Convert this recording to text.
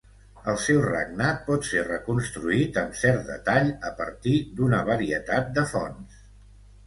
El seu regnat pot ser reconstruït amb cert detall a partir d'una varietat de fonts.